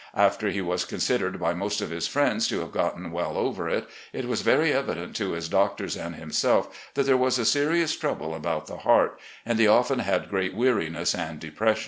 After he was considered by most of his friends to have gotten well over it, it was very evident to his doctors and himself that there was a serious trouble about the heart, and he often had great weariness and depression.